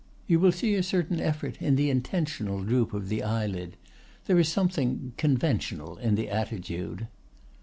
You will see a certain effort in the intentional droop of the eyelid. There is something conventional in the attitude.